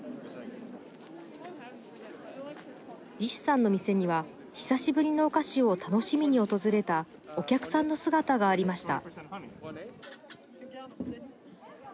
リシュさんの店には久しぶりのお菓子を楽しみに訪れたお客さんの姿がありました。